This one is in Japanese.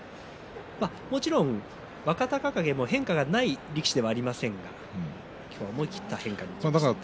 もちろん若隆景も変化がない力士ではありませんが今日は思い切った変化にいきました。